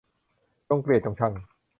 จงเกลียดจงชัง